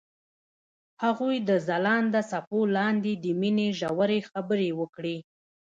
هغوی د ځلانده څپو لاندې د مینې ژورې خبرې وکړې.